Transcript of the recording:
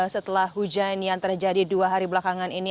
setelah hujan yang terjadi dua hari belakangan ini